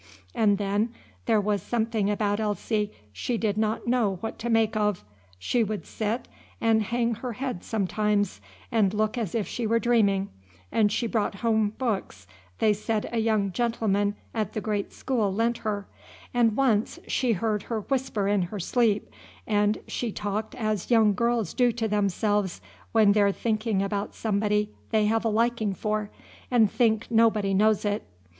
And then there was something about Elsie she did not know what to make of: she would sit and hang her head sometimes, and look as if she were dreaming; and she brought home books they said a young gentleman up at the great school lent her; and once she heard her whisper in her sleep, and she talked as young girls do to themselves when they're thinking about somebody they have a liking for and think nobody knows it.